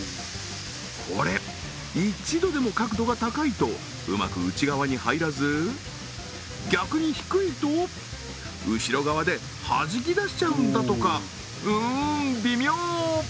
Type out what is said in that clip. これ１度でも角度が高いとうまく内側に入らず逆に低いと後ろ側ではじき出しちゃうんだとかうーん微妙！